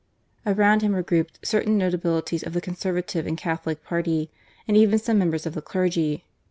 Around him were grouped certain io6 GARCIA MORENO, notabilities of the Conservative and Catholic Party, and even some members of the clergy.